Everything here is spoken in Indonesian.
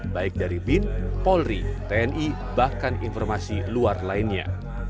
baik dari bin polri tni bahkan informasi luar lainnya